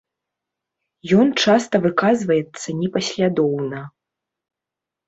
Ён часта выказваецца непаслядоўна.